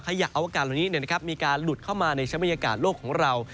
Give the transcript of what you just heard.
ขยะอวกาศเหล่านี้มีการหลุดเข้ามาในชั้นบรรยากาศโลกของเรา